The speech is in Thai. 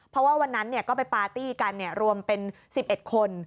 เพราะว่าวันนั้นก็ไปปาร์ตี้กันรวมเป็น๑๑คน